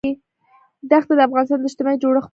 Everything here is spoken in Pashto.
دښتې د افغانستان د اجتماعي جوړښت برخه ده.